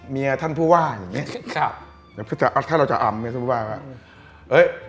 ท่านผู้ว่าอย่างเงี้ครับถ้าเราจะอำเนี่ยท่านผู้ว่าว่าเอ้ย